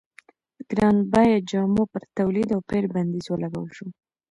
ګران بیه جامو پر تولید او پېر بندیز ولګول شو.